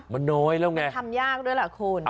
มันน้อยแล้วไงทำยากด้วยล่ะคุณ